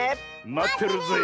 まってるぜえ。